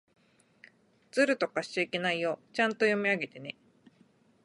ずるとかしちゃいけないよ。ちゃんと読み上げてね。